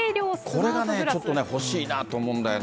これがね、ちょっとね、欲しいなと思うんだよね。